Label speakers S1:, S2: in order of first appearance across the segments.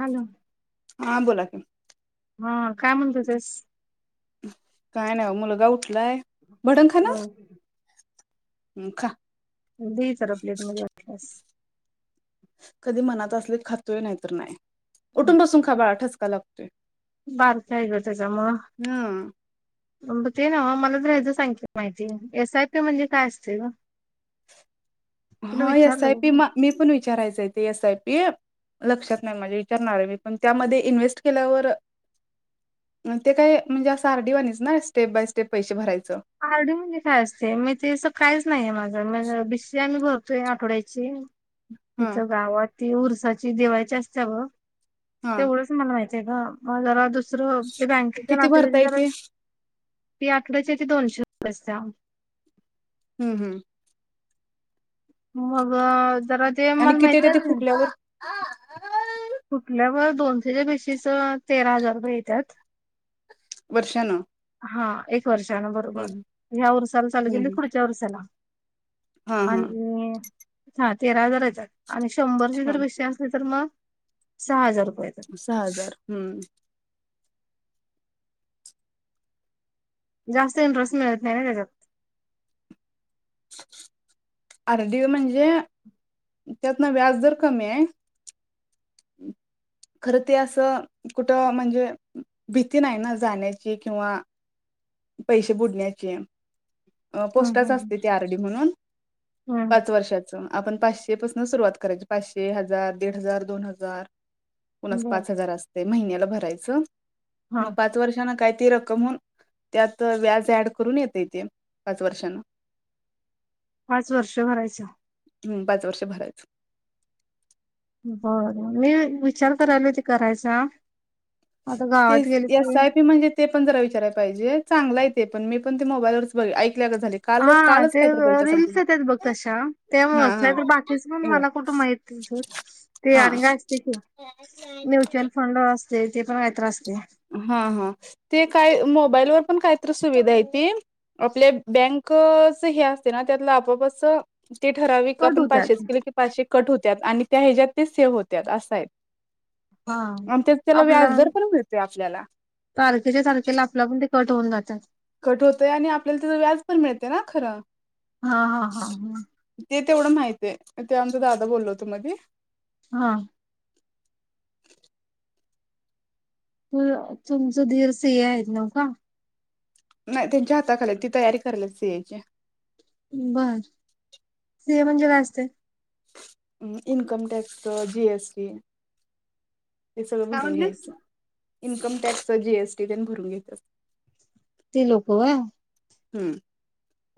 S1: Hello!
S2: हा बोला की.
S1: हा काय म्हणत होतेस?
S2: काय नाय मुलगा उठलाय, भडंग खाणार? हम्म खा.
S1: दे जरा प्लेट मध्ये वाटल्यास.
S2: कधी मनात असले खातोय नाहीतर नाही. उठून बसून खा बाळा ठसका लागतोय,
S1: बारक आहे ग
S2: हम्म.
S1: ब ते नव्ह, मला जरा ह्याज सांग की माहिती, एस आय पी म्हणजे काय असते गं? [inaudible]
S2: होय एस आय
S1: विचारलं
S2: पी
S1: ग
S2: म मी पण विचारायचं हाय, ते एस आय पी. लक्षात नाही माझ्या इचारणार ये मी पण त्यामध्ये इन्व्हेस्ट केल्यावर. म ते काय म्हणजे असं आरडी वाणीच ना, स्टेप बाय स्टेप पैसे भरायचं?
S1: आर डी म्हणजे काय असते? मी तेस काहीच नहीे माझं, मज भीशी आम्ही भरतोय, आठवड्याची.
S2: हा
S1: तिथ गावात ती उरसाची देवायची असत व
S2: हा
S1: तेवढंच मला माहते ग म जरा दुसरं ते बँकेच्या
S2: किती भरता
S1: मेसेज
S2: येते
S1: [unintelligible] ती आठवड्याचे ते दोनशे रुपये असत्या.
S2: हम्म हम्.
S1: मंग जरा जे
S2: आणि
S1: मला
S2: किती ते ते
S1: माहितये.
S2: फुटल्यावर
S1: कुठल्याव दोनशेच्या भीशीच तेरा हजार मिळत्यात.
S2: वर्षानं?
S1: हा एक वर्षानं
S2: हं
S1: बरोबर, ह्या उरसुला चालू
S2: हं
S1: केली,
S2: हं
S1: पुढच्या उरसाला.
S2: हा हा
S1: आणि हां तेरा हजार येतात, आणि शंभरची
S2: हा
S1: जर भिशी असल, तर मग सहा हजार रुपये येताय.
S2: सहा हजार, हम्म.
S1: जास्त इंटरेस्ट मिळत नाही ना, त्याच्यात.
S2: [unintelligible] आर डी म्हणजे त्यातनं व्याज दर कमी ये.
S1: [inaudible]
S2: खरं ते असं कुठं, म्हणजे भीती नाही ना जाण्याची किंवा पैशे बुडण्याची. अ
S1: हम्म
S2: पोस्टाच
S1: हम्म
S2: असत ते आरडी म्हणून,
S1: हम्म
S2: पाच वर्षा चं, आपण पाचशे पासन सुरुवात करायची, पाचशे, हजार, दीड हजार, दोन हजार कुणाचं
S1: बर
S2: पाच हजार असतंय महिन्याला भरायचं,
S1: हा
S2: म पाच वर्षांनं काय ती रकम होऊन त्यात व्याज ऍड करून येतय तेे पाच वर्षांन.
S1: पाच वर्ष भरायचं?
S2: हम् पाच वर्ष भरायचं.
S1: बरं मी वी विचार करायले ते करायचा. आता
S2: ते
S1: गावात गेले
S2: एस
S1: की
S2: आय पी म्हणजे ते पण जरा विचारायला पाहिजे, चांगला आहे ते पण, मी पण ते मोबाईलवरच बघ ऐकल्यागत झाले काल
S1: हां
S2: कालच
S1: ते
S2: काहीतरी बघितल्यासारखं
S1: रील्स
S2: झालं.
S1: येतात बघ तशा,
S2: हा
S1: त्यामुळेच नई
S2: हा
S1: तर बाकी तेच पण मला कुठं माहित [unintelligible] ते
S2: हा
S1: आणले असते की. म्युचुअल फंड असते, ते पण काहीतरी असते.
S2: हं हं ते काय मोबाईलवर पण काहीतर सुविधा येती, आपल्या बँक क् चं हे अस ना, त्यातल आपोप असं ते ठराविक
S1: कट
S2: आपण पाचशेच
S1: होतात.
S2: केल की पाचशे कट होत्यात आणि त्या ह्याच्या्यात ते सेव्ह होत्यात अस य.
S1: हा.
S2: आमच्यात त्याला
S1: आपला
S2: व्याजदर पण मिळतोय, आपल्याला.
S1: तारखेच्या तारखेला आप लागुण ते कट होऊन जात.
S2: कट होतय आणि आपल्याला त्याच व्याज पण मिळतय ना खरं?
S1: हां हां हां हं.
S2: ते तेवढं माहित ये, ते आमचा दादा बोललो होत मदि.
S1: हां. त तुमचं [unintelligible] सिय आहेत न का?
S2: नाही त्यांच्या हाताखालीये, ते तयारी कराले सीएची.
S1: बरं, सिए म्हणजे काय असत?
S2: म इनकम टॅक्स जिएसटी ते सगळं
S1: काय
S2: भरून
S1: म्हणलीस?
S2: घ्यायचं. Income tax G S T तेन भरून घ्यायच असत.
S1: ती लोक व्हय?
S2: हम्म.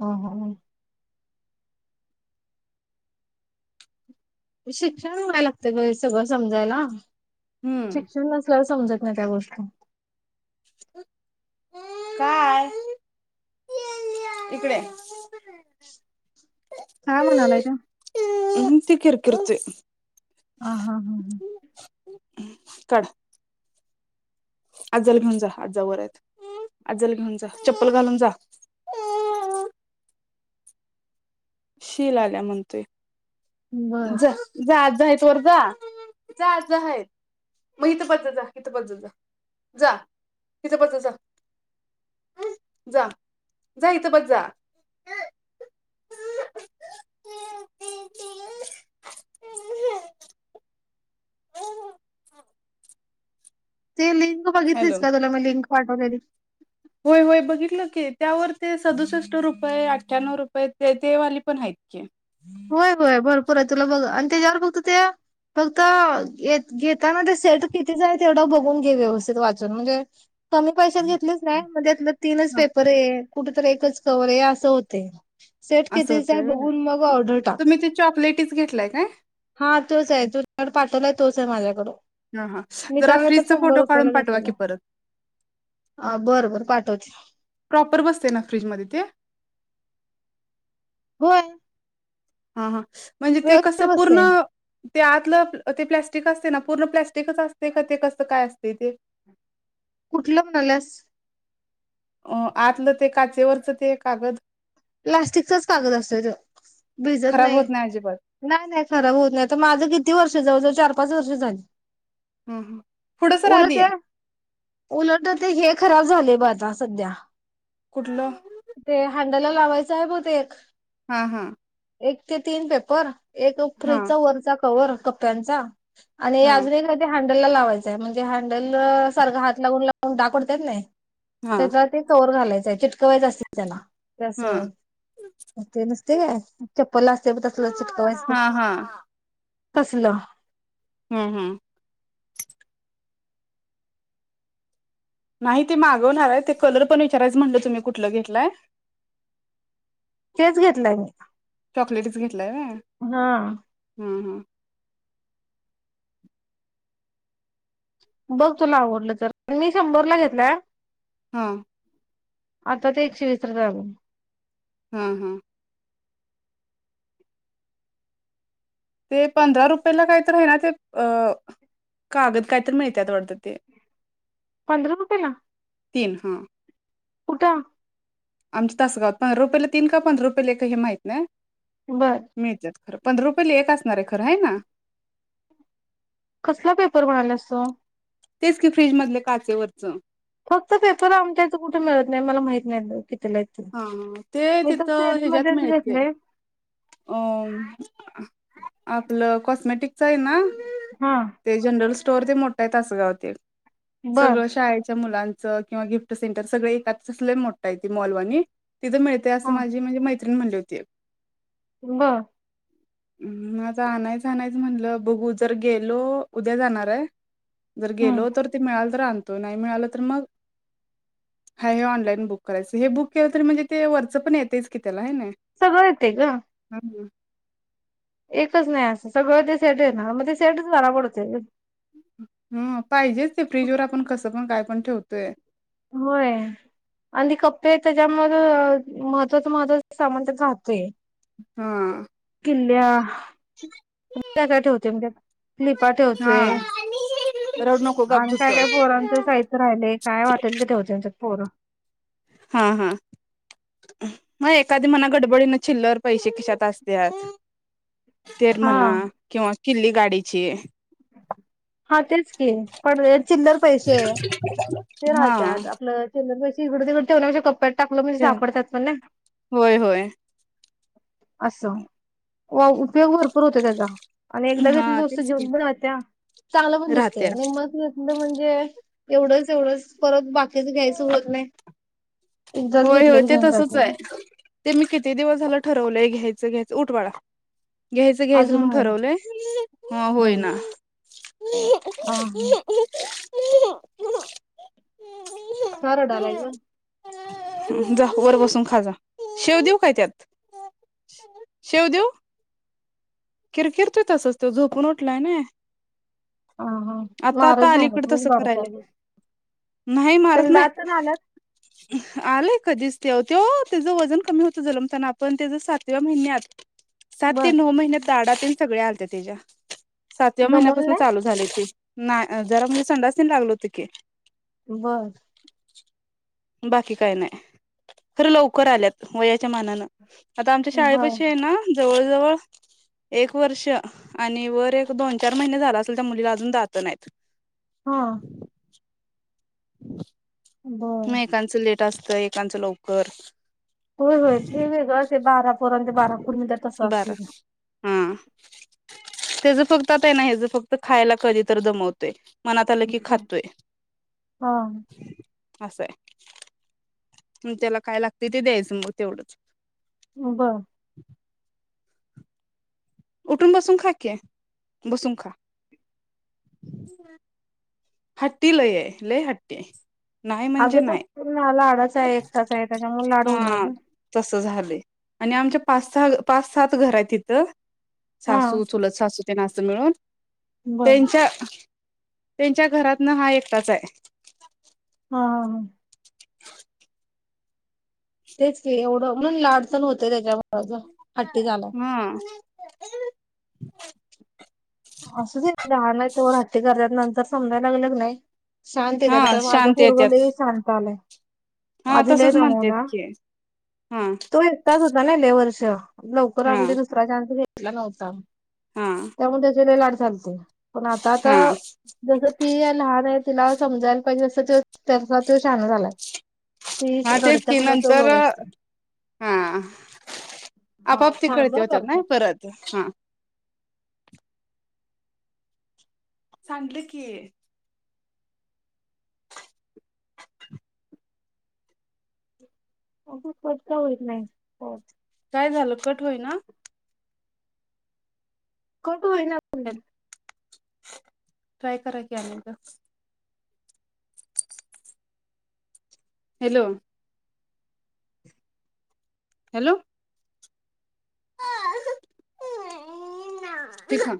S1: ह ह ह. शिक्षण व्हायला लागत ग, हे सगळं समजायला.
S2: हम्म
S1: शिक्षण नस ला समजत नाही त्या गोष्टी.
S2: काय? इकडे.
S1: काय म्हणालाय त्यो?
S2: निस्त किरकिरतय.
S1: हा हा हम्म हम्म.
S2: काड. अजाल घेऊन जा. आजावरेत. आजाला घेऊन जा. चप्पल घालून जा. शीला आल्या म्हणतोय.
S1: बर
S2: जा. जा आजा हायेत वर जा. जा आज हायेत. मग इथ बस जा. इथ बस जा जा. जा. इथं बसजा जा. जा जा इथं बस जा.
S1: [unintelligible]
S2: हो हो हा.
S1: ते लिंक बघितलीस का? तुला मी लिंक पाठवलेली.
S2: होय होय बघितलं की, त्यावर ते सदुसष्ट रुपये, अठ्ठ्याणो रुपये. ते ते वाली पण आहेत. [unintelligible]
S1: होय होय भरपूरे. तुला बघ आणि तेच्यावर फक्त ते फक्त घेताना ते सेट कितीचय तेवढं बघून घे. व्यवस्थित वाचून. म्हणजे कमी पैशात घेतलीस काय. म त्यातलं तीनच
S2: ह
S1: पेपरे. कुठ तरी एकच कवरे. ए असं होतय. सेट
S2: असं
S1: कितीचाय
S2: होतंय व्हय.
S1: बघून मग ऑर्डर टाक
S2: तुम्ही ते चॉकलेटीच घेतलाय काय?
S1: हा तोचे. तुझ्या कड पाठवलाय तोचे माझ्याकड.
S2: हा हा
S1: मी त्या
S2: जरा
S1: वेळेला तर
S2: फ्रीजचा
S1: शंभर
S2: फोटो काढून
S1: रुपयाला
S2: पाठवा की
S1: घेतलेल्या.
S2: परत
S1: अ बर बर पाठवते.
S2: प्रॉपर बसते ना? फ्रीजमध्ये ते.
S1: होय.
S2: हा हा. म्हणजे ते कसं
S1: व्यवस्थित बसतय
S2: पूर्ण ते आतलं ते प्लॅस्टिक असते ना, पूर्ण प्लॅस्टिकच असते का? ते कसं काय असते ते?
S1: कुठलं म्हणाल्यास?
S2: अ आतलं ते, काचेवरचं ते कागद.
S1: प्लास्टिकचाच कागद असतोय तो. भिजत
S2: खराब
S1: नाही.
S2: होत अजिबात
S1: नाय नाय खराब होत नाय. आता माझं किती वर्ष जवळजवळ चार पाच वर्ष झाली.
S2: ह हम्म. पुढं सर
S1: उलट
S2: आधी.
S1: ते उलट ते हे खराब झालेय बा आता सध्या.
S2: कुठलं?
S1: ते हँडला लावायचंय बघ ते एक.
S2: हा हा.
S1: एक ते तीन पेपर. एक
S2: हा
S1: फ्रीजचा वरचा कवर. कप्प्यांचा. आणि
S2: हा
S1: अजून एक हाय ते हॅंडलला लावायचंय. म्हणजे हँडलला सारखं हात लावून लावून डाग पडतात नाय.
S2: हा
S1: त्याच्यात ते कवर घालायचंय. चिटकवायचं असतय की त्याला ते
S2: हा
S1: असं ते नसतंय काय. चप्पल असते बग ते चिटकवायचं ते
S2: हा हा
S1: तसलं.
S2: हम् हम्. नाही ते मागवणार आहे. ते कलर पण विचारायचं म्हटलं तुम्ही कुठलं घेतलाय.
S1: तेच घेतलंय.
S2: चॉकलेटीच घेतलाय व्हय.
S1: हा.
S2: हम्म हम्म.
S1: बघ तुला आवडलं तर मी शंभरला घेतलाय.
S2: हां.
S1: आता ते एकशे विसला झालय.
S2: हा हा. ते पंधरा रुपयाला काहीतरी आहे ना ते. अ कागद काहीतर मिळतात वाटत ते.
S1: पंधरा रुपयला
S2: तीन हा
S1: कुठं?
S2: आमच्या तासगावात बारा रुपयाला तीन का पंधरा रुपयाला एक हे माहित नाही.
S1: बर.
S2: मिळत्यात खरं. पंधरा रुपयाला एक असणार आहे खरं आहे ना.
S1: कसला पेपर म्हणाल्यास तू?
S2: तेच की फ्रीज मधले काचेवरचं
S1: फक्त पेपर आमच्या इथ कुठे मिळत नाही. मला माहिती नाही बघ कितीला आहेत ते.
S2: हा ह ते
S1: मी तर
S2: तिथं
S1: सेट
S2: ह्याच्यात
S1: मध्येच
S2: मिळतय.
S1: घेतले.
S2: अम आपलं कॉस्मेटिकच आहे ना.
S1: हा.
S2: ते जनरल स्टोअर ते मोठा आहे तासगावात ते
S1: बर
S2: सगळ शाळेच्या मुलांच किंवा गिफ्ट सेंटर सगळ एकात तसं लय मोठ आहे ते मॉलवानी. तिथं मिळतय असं माझी म्हणजे मैत्रिण म्हणली होती.
S1: ब
S2: मग आता आणायचं आणायचं म्हणलं, बघू जर गेलो. उद्या जाणार आहे. जर
S1: हम्म
S2: गेलो तर ते मिळाल तर आण नाही मिळाला तर मग, हाय हे ऑनलाईन बुक करायच. हे बुक केलं तरी म्हणजे ते वरच पण येतेच की त्याला आहे नाही.
S1: सगळं येते ग.
S2: [unintelligible]
S1: एकच नाही असं. सगळं ते सेटच येणार. मग ते सेटच बरा पडतोय गं.
S2: ह पाहिजेच ते फ्रीजवर आपण कसं पण काय पण ठेवतोय.
S1: होय. आणि ते कप्पे आहेत. त्याच्यामुळे महत्त्वाचं महत्त्वाचं सामान त्यात राहतय.
S2: हा.
S1: खूप काय काय ठेवते म्हणजे क्लिपा
S2: हा
S1: ठेवतोय.
S2: रडू नको गप
S1: आणि
S2: झुप
S1: काय
S2: कर.
S1: काय पोरांच साहित्य राहिलेय. काय वाटल ते ठेवत्यात आमच्यात पोर.
S2: हां हां. मग एखादी म्हणा गडबडीन चिल्लर पैसे खिशात असत्यात. तेर म्हणा
S1: हा
S2: किंवा किल्ली गाडीची.
S1: हा तेच की पण चिल्लर पैसे ते
S2: हा
S1: राहतात आपलं चिल्लर पैसे इकड तिकडं ठेवण्यापेक्षा कप्यात टाकलं म्हणजे
S2: ते
S1: सापडतात पण नाही.
S2: होय होय
S1: असं व उपयोग भरपूर होतोय त्याचा आणि एकदा घेतलेली
S2: हा
S1: वस्तू
S2: तेच की
S1: घेऊन पण राहत्या चांगलं पण दिसतय
S2: राहत्या
S1: आणि म्हणजे एवढंच एवढंच परत बाकीच घ्यायचं होत नाही एकदाच
S2: होय होय
S1: घेतलेलं
S2: ते
S1: घेऊन
S2: तसच
S1: जाते
S2: हाय
S1: ना
S2: ते मी किती दिवस झालं ठरवलंय घ्यायचं घ्यायचं उठ बाळा घ्यायचं घ्यायचं
S1: अजून
S2: म्हणून
S1: व्हायला
S2: ठरवलंय हा होय ना
S1: अ हां का रडालाय तो
S2: जा वर बसून खाजा शेव देऊ काय त्यात शेव देवू? किरकिरतोय तसंच तो झोपून उठलाय नाही
S1: ह [inaudible] हा हा मारत जाऊ नको
S2: अलीकडे
S1: जरा
S2: तसं
S1: बारकं
S2: करायला
S1: हाय ते
S2: नाही मारत
S1: त्याला
S2: नाही
S1: दात तेन आल्यात [inaudible]
S2: आलंय कधीच त्यो त्यो त्याचं वजन कमी होतं जलमताना पण त्याच सातव्या महिन्यात
S1: [inaudible]
S2: सात ते नऊ महिन्यात दाडा तेन सगळ्या आलत्या त्याच्या सातव्या
S1: दमवलं
S2: महिन्यापासून चालू
S1: नाही
S2: झालय ते नाही जरा म्हणे संडास तेन लागल होत की
S1: बरं
S2: बाकी काय नाही खरं लवकर आल्यात वयाच्या मानानं आता आमच्या
S1: बर
S2: शाळेपाशी आहे ना जवळ जवळ एक वर्ष आणि वर एक दोन चार महिने झाला असेल त्या मुलीला अजून दात नाहीत
S1: हा
S2: [inaudible]
S1: बरं
S2: एकेकाचं लिट असतंय एकेकाचं लवकर
S1: होय होय ते वेगळं असतय बारा पोरांचं बारा कोर्ण तसं असतंय
S2: बारा
S1: ते
S2: हा त्याच फक्त आता आहे ना हेच फक्त खायला कधी तर दमवतय मनात आलं की खातोय
S1: हा
S2: असंय त्याला काय लागतय ते द्यायचं मग तेवढंच
S1: बर
S2: [inaudible] उठून बसून खा की बसून खा [unintelligible] हट्टी लय आहे लय हट्टी हाय
S1: अगं तो पण लाडाचा हाय एकटाच आहे त्याच्यामुळे लाड होणार ना
S2: तस झालंय आणि आमच्या पाच सहा पाच सात घर आहेत हिथं
S1: हा
S2: सासू चुलत सासू तेन असं मिळून
S1: बर
S2: त्यांच्या त्यांच्या घरात ना हा एकटाच हाय
S1: हा हा हा तेच की एवढं म्हणून लाड तेन होतंय त्याच्यामुळं हट्टी झालाय.
S2: हम्म
S1: असुदे लहान आहे तवर हट्टी करतात नंतर समजायला लागलं कनाही शांत
S2: हा
S1: येतात आता माझं
S2: शांत
S1: पोरगं
S2: येत्यात
S1: लई शांत आलंय
S2: हा
S1: आधी लय
S2: तसच म्हणतेत
S1: दमवला,
S2: की हा
S1: तोय [unintelligible] होता नई लय वर्ष, लवकर
S2: हा
S1: आमज दुसरा चान्स घेतला नव्हता,
S2: हा
S1: त्यामुळे [unintelligible] लई लाड चालतंय, पण आता आता
S2: हा
S1: जसं ती लहान हाय, तिला समजायला पाहिजे, जस तो तसा तो शाना झालाय. ती
S2: हा, तेच
S1: रडत्या
S2: की,
S1: म्हणल्यावर तो
S2: नंतर,
S1: गप बसतोय
S2: हा.
S1: हा
S2: आपाआप ते
S1: थांब
S2: कळतय
S1: हं
S2: ओ त्यांना,
S1: करतो
S2: परत हा. सांडलं की
S1: [unintelligible] [inaudible]
S2: काय झालं? कट होईना?
S1: कट होईना
S2: ट्राय करा की, आणि एकदा. हॅलो? हॅलो? [unintelligible] तिथं